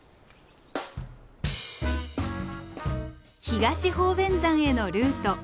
東鳳翩山へのルート。